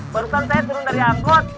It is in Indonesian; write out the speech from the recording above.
barusan saya turun dari angkot